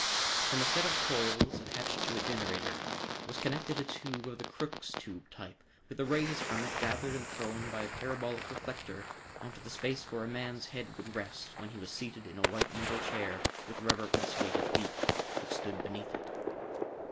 From a set of coils attached to a generator was connected a tube of the Crookes tube type with the rays from it gathered and thrown by a parabolic reflector onto the space where a man's head would rest when he was seated in a white metal chair with rubber insulated feet, which stood beneath it.